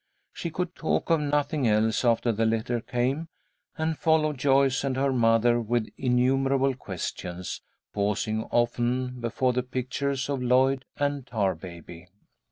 She could talk of nothing else, after the letter came, and followed Joyce and her mother with innumerable questions, pausing often before the pictures of Lloyd and Tarbaby.